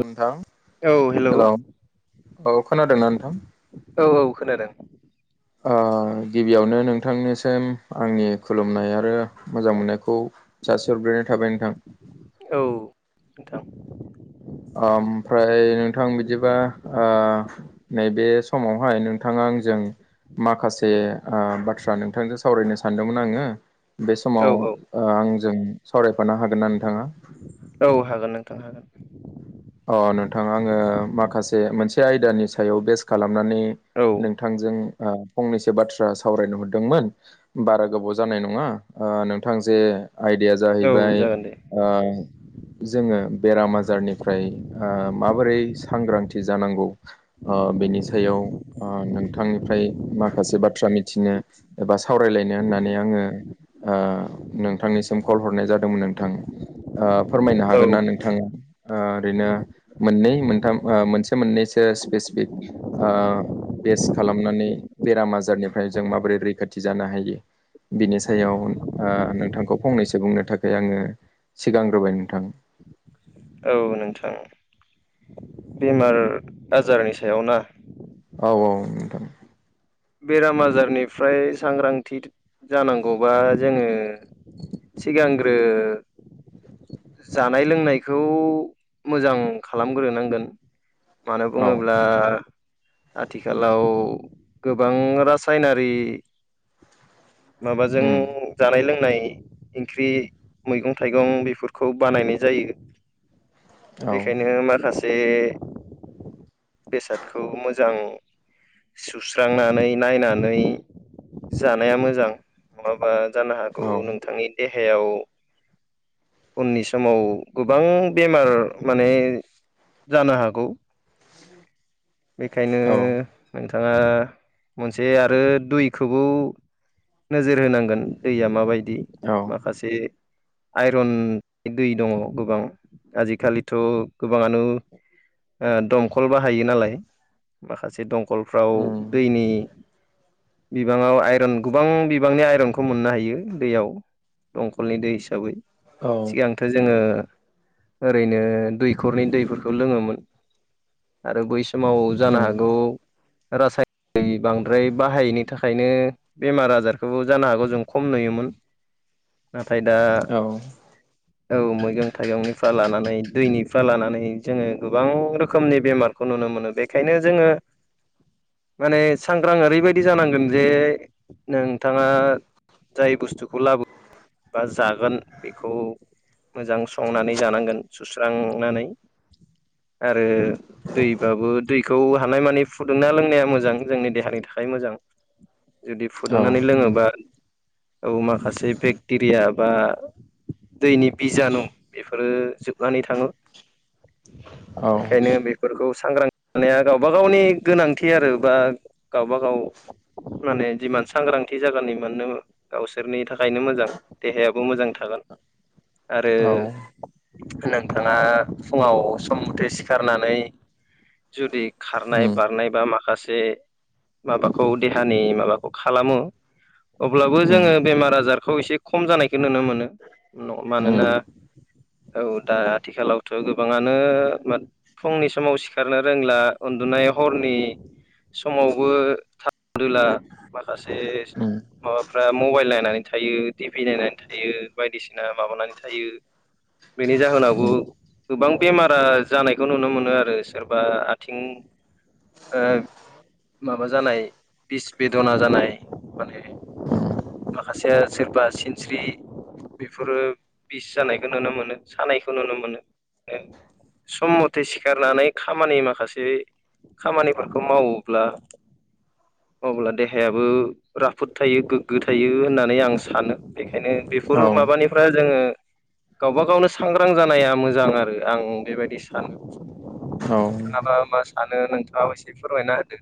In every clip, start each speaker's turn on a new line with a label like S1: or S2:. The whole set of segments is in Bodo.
S1: नोंथां
S2: औ हेलौ
S1: हेल' औ खोनादोंना नोंथां?
S2: औ औ खोनादों
S1: आं गिबियावनो नोंथांनिसिम आंनि खुलुमनाय आरो मोजां मोननायखौ जासि हरग्रोनाय थाबाय नोंथां
S2: औ नोंथां
S1: ओमफ्राय नोंथां बिदिबा ओ नैबे समावहाय नोंथाङा आंजों माखासे ओ बाथ्रा नोंथांजों सावरायनो सानदोंमोन आङो बे समाव
S2: औ औ
S1: ओ आंजों सावरायफानो हागोन्ना नोंथाङा
S2: औ हागोन नोंथां हागोन
S1: अ नोंथां आङो माखासे मोनसे आयदानि सायाव बेस खालामनानै
S2: औ
S1: नों थांजों ओ फंनैसो बाथ्रा सावरायनो हरदोंमोन बारा गोबाव जानाय नङा ओ नोंथां जे आइदाया
S2: औ
S1: जाहैबाय
S2: जागोन दे
S1: ओ जोङो बेराम आजारनि फ्राय ओ माबोरै सांग्रांथि जानांगौ ओ बेनि सायाव ओ नोंथांनिफ्राय माखासे बाथ्रा मिथिनो एबा सावरायलायनो होननानै आङो ओ नोंथांनिसिम कल हरनाय जादोंमोन नोंथां ओ फोरमायनो
S2: औ
S1: हागोन ना नोंथाङा ओ ओरैनो मोननै मोनथाम ओ मोनसे मोननैसो स्पेसिफिक ओ बेस खालामनानै बेराम आजारनिफ्राय जों माबोरै रैखाथि जानो हायो बिनि सायाव ओ नोंथांखौ फंनैसो बुंनो थाखाय आङो सिगांग्रोबाय नोंथां
S2: औ नोंथां बेमार आजारनि सायाव ना
S1: औ औ नोंथां
S2: बेराम आजारनिफ्राय सांग्रांथि जानांगौबा जोङो सिगांग्रो जानाय लोंनायखौ मोजां खालामग्रोनांगोन मानो
S1: औ
S2: बुङोब्ला आथिखालाव गोबां रासायनारि माबाजों
S1: उम
S2: जानाय लोंनाय इंख्रि मैगं थाइगं बेफोरखौ बानायनाय जायो
S1: [inaudible]
S2: बेखायनो माखासे बेसादखौ मोजां सुस्रांनानै नायनानै जानाया मोजां माबा जानो हागौ
S1: औ
S2: नोंथांनि देहायाव उननि समाव गोबां बेमार माने जानो हागौ बेखायनो
S1: औ
S2: नोंथाङा मोनसे आरो दुयखौबो नोजोर होनांगोन दैया माबायदि
S1: औ
S2: माखासे आइरन दै दङ गोबां आजिखालिथ' गोबाङानो ओ दंखल बाहायो नालाय माखासे दंखलफ्राव
S1: उम
S2: दैनि बिबाङाव आइरन गोबां बिबांनि आइरनखौ मोननो हायो दैयाव दंकलनि दै हिसाबै
S1: औ
S2: सिगां थो जोङो ओरैनो दैखरनि दैफोरखौ लोङोमोन आरो बै समाव जानो
S1: उम
S2: हागौ रासायन दै बांद्राय बाहायैनि थाखायनो बेमार आजारखौबो जानो हागौ जों खम नुयोमोन। नाथाय दा
S1: औ औ
S2: औ मैगं थाइगंनिफ्रा लानानै दैनि [unintelligible] लानानै जोङो गोबां रोखोमनि बेमारखौ नुनो मोनो बेखायनो जोङो माने सांग्रां ओरैबायदि जानांगोन जे नोंथाङा जाय बुस्थुखौ लाबो बा जागोन बेखौ मोजां संनानै जानांगोन सुस्रांनानै आरो दैबाबो दैखौ हानाय मानि फुदुंना लोंनाया मोजां जोंनि देहानि थाखाय मोजां। जुदि फुदुंनानै
S1: उम
S2: लोङोबा औ माखासे बेक्टेरिया बा दैनि बिजानु बेफोरो जोबनानै थाङो।
S1: औ
S2: बेखायनो बेफोरखौ सांग्रां माने गावबा गावनि गोनांथि आरो बा गावबा गाव माने जिमान सांग्रांथि जागोन एमाननो गावसोरनि थाखायनो मोजां देहायाबो मोजां थागोन आरो
S1: औ
S2: नोंथाङा फुङाव सम मथे सिखारनानै जुदि खारनाय
S1: उम
S2: बारनाय बा माखासे माबाखौ देहानि माबाखौ खालामो अब्लाबो
S1: उम
S2: जोङो बेमार आजारखौ एसे खम जानायखौ नुनो मोनो। न मानोना
S1: उम
S2: औ दा आथिखालावथ' गोबाङानो मा फुंनि समाव सिखारनो रोंला उन्दुनाय हरनि समावबो थाब उनदुला माखासे
S1: उम
S2: माबाफ्रा मबाइल नायनानै थायो टिभि नायनानै थायो बायदिसिना माबानानै था थायो बेनि जाहोनावबो
S1: उम
S2: गोबां बेमारा जानायखौ नुनो मोनो आरो सोर बा आथिं ओ माबा जानाय बिस बेदना जानाय माने
S1: उम
S2: माखासे सोरबा सिनस्रि बेफोरो बिस जानायखौ नुनो मोनो सानायखौ नुनो मोनो। सम मथे सिखारनानै खामानि माखासे खामानिफोरखौ मावोब्ला अब्ला देहायाबो राफोद थायो गोग्गो थायो होननानै आं सानो। बेखायनो बेफोर
S1: औ
S2: माबानि फुरा जोङो गावबा गावनो सांग्रां जानाया मोजां आरो आं बेबायदि सानो।
S1: औ
S2: नोंथाङाबा मा सानो नोंथाङाबो एसे फोरमायना होदो?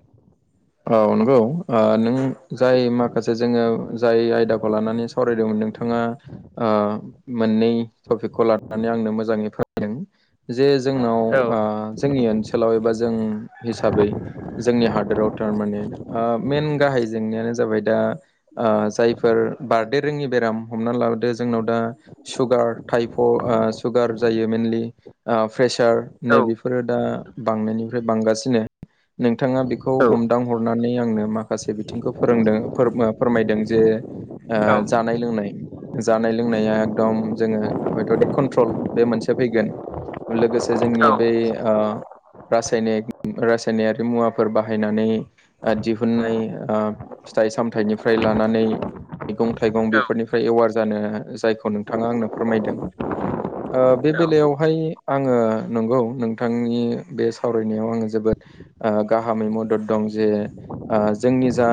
S1: औ नंगौ ओ नों
S2: होदो
S1: जाय माखासे जोङो जाय आयदाखौ लानानै सावरायदोंमोन नोंथाङा ओ मोननै टपिकखौ लानानै आंनो मोजाङै फोरमायदों। जे जोंनाव
S2: औ
S1: ओ जोंनि ओनसोलाव एबा जों हिसाबै जोंनि हादोराव थारमाने ओ मेन गाहाइ जेंनायानो जाबाय दा ओ जायफोर बारदेर रोङि बेराम हमना ला दो जोंनाव दा सुगार टाइप ओ सुगार जायो मेइनलि। ओ प्रेसार नै
S2: औ
S1: बेफोरो दा बांनायनिफ्राय बांगासिनो नोंथाङा बेखौ हमदां हरनानै आंनो माखासे बिथिंखौ फोरोंदों फोर-फोरमायदों जे ओ जानाय लोंनाय जानाय लोंनाया एकदम जोङो हयथ' कन्ट्रल बे मोनसे फैगोन। लोगोसे जोंनि
S2: औ
S1: बै ओ- रासायनिक रासायनारि मुवाफोर बाहाय- बाहायनानै ओ-दिहुननाय ओ-फिथाइ सामथाइनि फ्राय लानानै मैगं थाइगं बेफोरनिफ्राय एवार जानो जायखौ नोंथाङा आंनो फोरमायदों। ओ-बे बेलायावहाय आङो नंगौ नोंथांनि बे सावरायनायाव आङो जोबोद ओ-गाहामै मदद दं जे ओ-जोंनि जा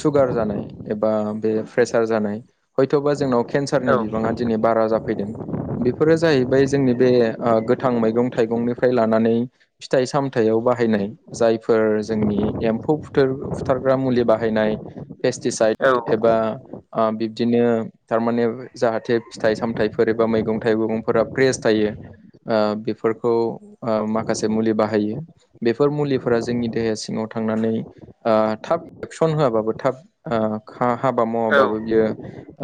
S1: सुगार जानाय एबा बे प्रेसार जानाय हयथ'बा जोंनाव केन्सारनि बिबाङा दिनै बारा जाफैदों। बेफोरो जाहैबाय जोंनि बे ओ गोथां मैगं थाइगंनिफ्राय लानानै फिथाइ सामथायाव बाहायनाय जाय फोर जोंनि एम्फौ फुथार फुथारग्रा मुलि बाहायनाय पेस्टिसाइद एबा ओ बिब्दिनो थारमाने जाहाथे फिथाइ सामथाइफोर एबा मैगं थाइगंफोरा फ्रेस थायो। ओ बेफोरखौ ओ माखासे मुलि बाहायो बेफोर मुलि फोर जोंनि देहाया सिङाव थांनानै ओ-थाब एक्सन होआबाबो थाब ओ-खा-हाबा मावाबाबो
S2: औ
S1: बियो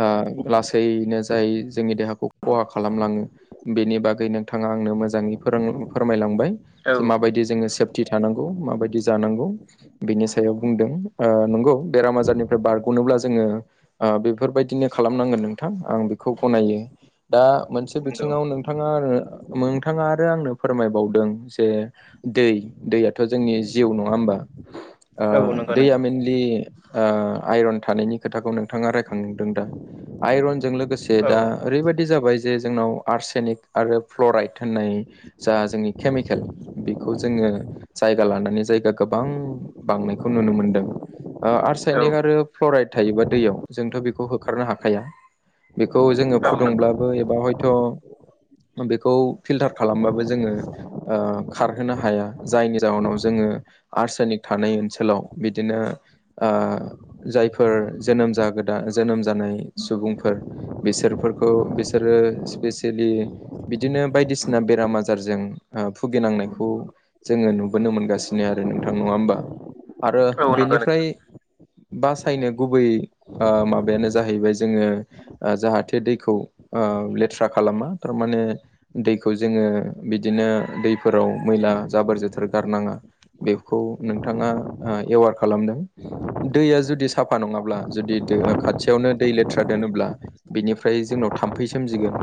S1: ओ-लासैनो जाय जोंनि देहाखौ खहा खालामलाङो बेनि बागै नोंथाङा आंनो मोजाङै फोरों-फोरमायलांबाय
S2: औ
S1: जे माबायदि जोङो सेफटि थानांगौ खौ माबायदि जानांगौ। बिनि सायाव बुंदों ओ-नंगौ बेराम आजारनिफ्राय बारग'नोब्ला जोङो ओ-बेफोरबायदिनो खालामनांगोन नोंथां आं बेखौ गनायो। दा मोनसे बिथिङाव
S2: नंगौ
S1: नोंथाङा-नोंथाङा आरो आंनो फोरमायबावदों जे दै दैयाथ' जोंनि जिउ नङा होमबा
S2: औ नंगौ
S1: ओ-दैया
S2: नोंथां
S1: मेइनलि ओ-आइरन थानायनि खोथाखौ नोंथाङा रायखांदों दा आइरनजों लोगोसे
S2: औ
S1: दा ओरैबायदि जाबाय जे जोंनाव आर्सेनिक आरो फ्लराइद होननाय जा जोंनि केमिकेल बेखौ जोङो जायगा लानानै जायगा गोबां बांनायखौ नुनो मोनदों। ओ-आर्शयनिक
S2: औ
S1: आरो फ्लराइड थायोबा दैयाव जोंथ' बेखौ होखारनो हाखाया। बेखौ जोङो
S2: नंगौ
S1: फुदुंब्लाबो एबा हयथ' बेखौ फिल्टार खालामबाबो जोङो ओ-खारहोनो हाया जायनि जाहोनाव जोङो आरसायनिक थानाय ओनसोलाव बिदिनो। ओ-जायफोर जोनोम जागोदा जोनोम जानाय सुबुंफोर बिसोरफोरखौ बिसोरो स्पेसियेलि बिदिनो बायदिसिना बेराम आजारजों ओ-भुगिनांनायखौ जोङो नुबोनो मोनगासिनो आरो नोंथां नङा होमबा आरो
S2: औ नंगौ
S1: बेनिफ्राय
S2: नोंथां
S1: बासायनो गुबै ओ-माबायानो जाहैबाय जोङो ओ-जाहाथे दैखौ ओ-लेथ्रा खालामा थारमाने दैखौ जोङो बिदिनो दैफोराव मैला जाबोर जोथोर गारनाङा बेखौ नोंथाङा ओ-एवार खालामदों। दैया जुदि साफा नङाब्ला जुदि दो-ओ-खाथियावनो दै लेथ्रा दोनोब्ला बेनिफ्राय जोंनाव थाम्फै सोमजिगोन।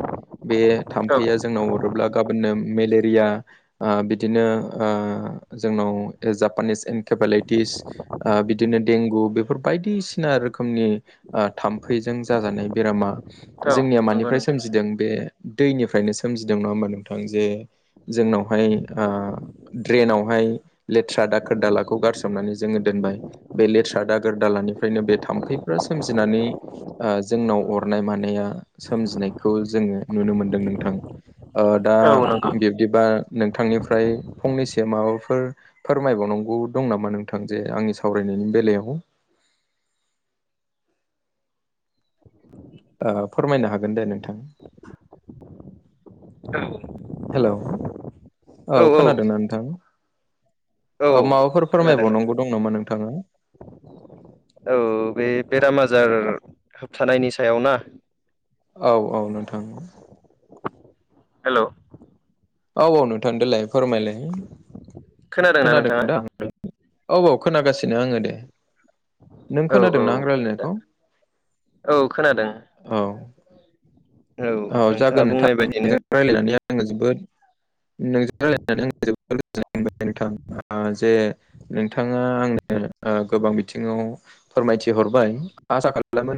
S1: बे
S2: औ
S1: थाम्फैया जोंनाव अरोब्ला गाबोननो मेलेरिया ओ-बिदिनो ओ-जोंनाव जापानिस एनकेपालायटिस। ओ-बिदिनो देंगु बेफोर बायदिसिना रोखोमनि ओ-थाम्फैजों जाजानाय बेरामा
S2: औ
S1: जोंनिया
S2: नंगौ
S1: मानिफ्राय
S2: नोंथां
S1: सोमजिदों बे दैनिफ्रायनो सोमजिदों नङा होमबा नोंथां जे जोंनावहाय ओ- ड्रेनावहाय लेथ्रा दाखोर दालाखौ गारसोमनानै जोङो दोनबाय बे लेथ्रा दागोर दालानिफ्रायनो बे थाम्फैफ्रा सोमजिनानै ओ-जोंनाव अरनाय मानाया सोमजिनायखौ जोङो नुनो मोनदों नोंथां। ओ-दा
S2: औ नंगौ
S1: बिब्दिबा नोंथांनिफ्राय फंनैसो माबाफोर फोरमायबावनांगौ दं नामा नोंथां जे आंनि सावरायनायनि बेलायाव? ओ-फोरमायनो हागोन दे नोंथां।
S2: औ
S1: हेलौ औ खोनादोंना नोंथां
S2: औ
S1: औ माबाफोर
S2: खोनादों नोंथां
S1: फोरमायबावनांगौ दं नामा नोंथाङा
S2: औ बे बे बेराम आजार होबथानायनि सायाव ना
S1: औ औ नोंथां
S2: हेल'
S1: औ औ नोंथां देलाय फोरमायलाय
S2: खोनादोंना
S1: खोनादों
S2: नोंथाङा
S1: नोंथां? औ औ खोनागासिनो आङो दे। नों
S2: औ
S1: खोनादों
S2: औ
S1: ना आं रायलायनायखौ?
S2: औ खोनादों।
S1: औ औ
S2: नोंथाङा
S1: जागोन
S2: बुंनाय
S1: नोंथां
S2: बायदिनो
S1: न रायज्लायनानै आङो जोबोद नोंसोर रायजलायनानै आ जोर नोंथां जे नोंथाङा आंनो गोबां बिथिङाव फोरमायथिहरबाय आसा खालामो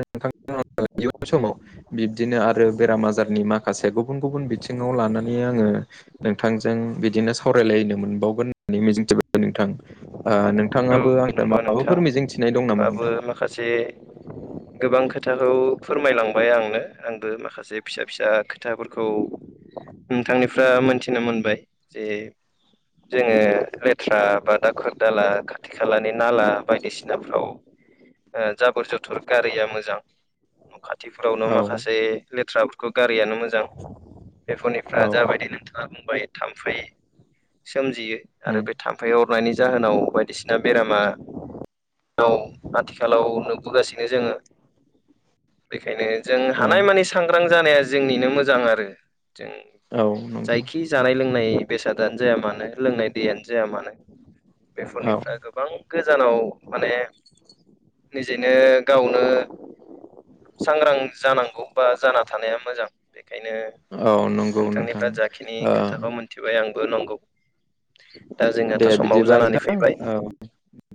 S1: इयुन समाव बिब्दिनो आरो बेराम आजारनि माखासे गुबुन गुबुन बिथिङाव लानानै आङो नोंथांजों बिदिनो सावरायलायनो मोनबावगोन होननानै मिजिंथि नोंथां। ओ
S2: औ
S1: नोंथाङाबो आंनिफ्राय
S2: नंगौ नोंथां
S1: माबाफोर मिजिंथि
S2: नोंथाङाबो माखासे
S1: औ
S2: गोबां खोथाखौ फोरमायलांबाय आंनो आंबो माखासे फिसा फिसा खोथाफोरखौ नोंथांनिफ्राय मोनथिनो मोनबाय जे जोङो लेथ्रा बा दाखोर दाला खाथि खालानि नाला बायदिसिना फ्राव जाबोर जथुर गारिया मोजां न' खाथिफोरावनो
S1: औ
S2: माखासे लेथ्राफोरखौ गारियानो मोजां। बेफोरनिफ्रा
S1: औ
S2: जाबायदि नोंथाङा बुंबाय थाम्फै सोमजियो आरो
S1: उम
S2: बे थाम्फै थाम्फै अरनायनि जाहोनाव बायदिसिना बेरामा औ आथिखालाव नुबोगासिनो जोङो बेखायनो जों
S1: औ
S2: हानायमानि सांग्रां जानाया जोंनिनो मोजां आरो जों।
S1: औ नंगौ
S2: जायखि जानाय लोंनाय बेसादानो जाया मानो लोंनाय दैयानो जाया मानो
S1: औ
S2: बेफोरनिफ्राय गोबां गोजानाव माने निजेनो गावनो सांग्रां जानांगौ बा जाना थानाया मोजां बेखायनो
S1: औ नंगौ नोंथां
S2: नोंथांनिफ्राय जाखिनि
S1: ओ
S2: खोथाखौ मोनथिबाय आंबो नंगौ। दा
S1: दे
S2: जोंनाथ' समाव
S1: बिदिबा
S2: जानानै
S1: नोंथां
S2: फैबाय
S1: औ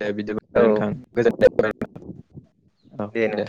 S1: दे बिदिब्ला
S2: औ
S1: नोंथां गोजोन औ दे